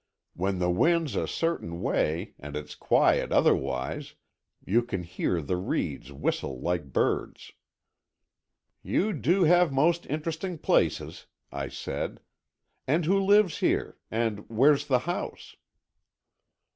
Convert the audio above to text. "When the wind's a certain way, and it's quiet otherwise, you can hear the reeds whistle like birds." "You do have most interesting places," I said. "And who lives here? And where's the house?"